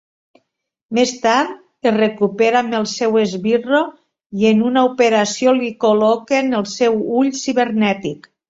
Més tard, es recupera amb el seu esbirro i en una operació li col·loquen el seu ull cibernètic.